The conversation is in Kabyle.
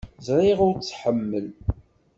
Ẓriɣ ur tt-tḥemmel.